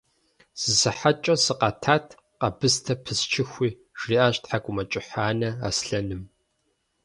– Зы сыхьэткӀэ сыкъэтат къэбыстэ пысчыхуи, – жриӀащ ТхьэкӀумэкӀыхь анэм Аслъэным.